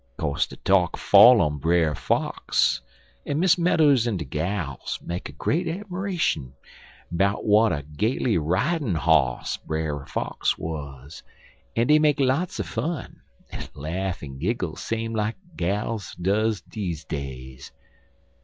"Co'se de talk fell on Brer Fox, en Miss Meadows en de gals make a great 'miration 'bout w'at a gaily ridin' hoss Brer Fox wuz, en dey make lots er fun, en laugh en giggle same like gals duz deze days.